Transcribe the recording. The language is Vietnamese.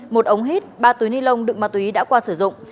một ống hít ba túi ni lông đựng ma túy đã qua sử dụng